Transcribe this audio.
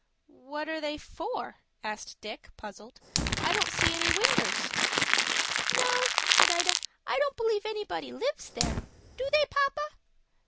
"What are they for?" asked Dick, puzzled. "I don't see any winders." "No," said Ida, "I don't believe anybody lives there. Do they, papa?"